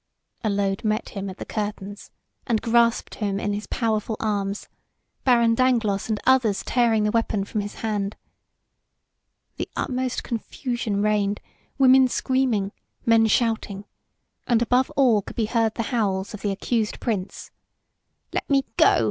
Allode met him at the curtains and grasped him in his powerful arms, Baron Dangloss and others tearing the weapon from his hand. The utmost confusion reigned women screaming, men shouting and above all could be heard the howls of the accused Prince. "Let me go!